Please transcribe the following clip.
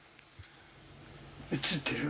写ってる？